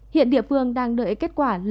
hiện địa phương đang đợi kết quả